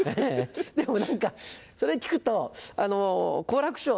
でも何かそれ聞くと好楽師匠